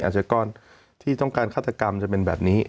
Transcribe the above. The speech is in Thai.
อาจจะก้อนที่ต้องการฆาตกรรมจะเป็นแบบนี้